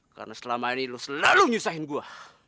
karena selama ini lu selalu nyusahin gua